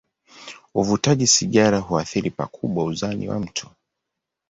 Uvutaji sigara huathiri pakubwa uzani wa mtu.